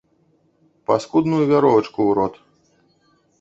Паскудную вяровачку ў рот.